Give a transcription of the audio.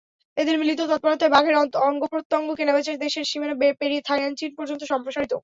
এদের মিলিত তৎপরতায় বাঘের অঙ্গপ্রত্যঙ্গ কেনাবেচা দেশের সীমানা পেরিয়ে থাইল্যান্ড-চীন পর্যন্ত সম্প্রসারিত।